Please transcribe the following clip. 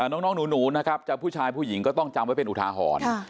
น้องหนูนะครับจะผู้ชายผู้หญิงก็ต้องจำไว้เป็นอุทาหรณ์